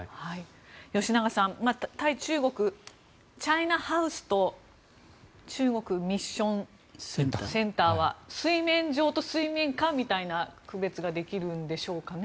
吉永さん対中国、チャイナハウスと中国ミッションセンターは水面上と水面下みたいな区別ができるんでしょうかね。